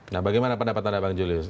nah bagaimana pendapat anda bang julius